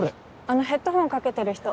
あのヘッドホンかけてる人。